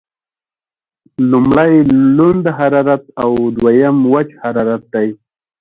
لمړی لوند حرارت او دویم وچ حرارت دی.